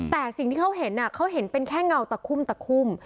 แต่สิ่งที่เขาเห็นเขาเห็นเป็นแค่เงาตะคุ่มตะคุ่ม